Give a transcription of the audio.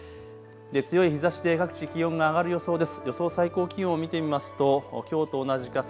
強い日ざしで各地、気温が上がる予想です。